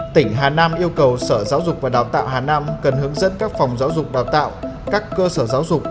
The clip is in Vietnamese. tỉnh hà nam yêu cầu sở giáo dục và đào tạo hà nam cần hướng dẫn các phòng giáo dục đào tạo các cơ sở giáo dục